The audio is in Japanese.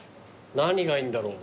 何がいいんだろう。